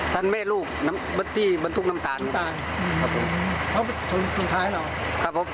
ท่านเมตต์ลูกที่บันทุกน้ำตาลครับผม